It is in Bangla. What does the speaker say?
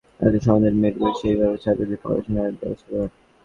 তারপর শিক্ষক-পরিচালক মিলে একটি সমাধান বের করে সেইভাবে ছাত্রদের পড়ানোর ব্যবস্থা করেন।